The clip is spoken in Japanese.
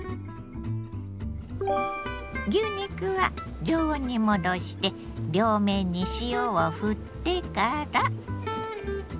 牛肉は常温に戻して両面に塩をふってから。